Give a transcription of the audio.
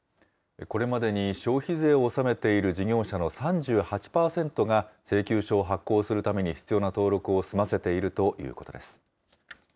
これまでに消費税を納めている事業者の３８％が、請求書を発行するために必要な登録を済ませているということです。